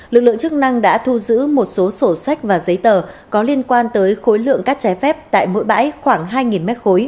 lực lượng chức năng đã thu giữ một số sổ sách và giấy tờ có liên quan tới khối lượng cát trái phép tại mỗi bãi khoảng hai m ba